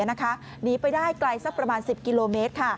หนีไปได้ไกลประมาณสิบกิโลเมตร